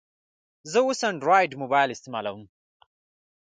زه اوس انډرایډ موبایل استعمالوم.